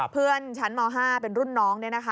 เพื่อนชั้นม๕เป็นรุ่นน้องเนี่ยนะคะ